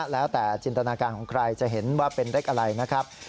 แล้วแต่จินตนาการของใครจะเห็นว่าเป็นเลขอะไรนะครับ